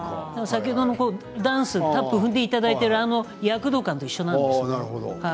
先ほどのダンスのタップを踏んでいただいている躍動感と一緒です。